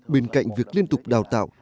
bên cạnh việc liên tục đào tạo